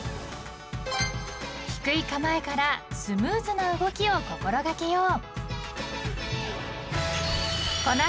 ［低い構えからスムーズな動きを心掛けよう］